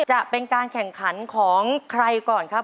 จะเป็นการแข่งขันของใครก่อนครับ